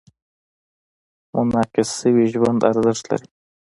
منعکس شوي ژوند ارزښت لري.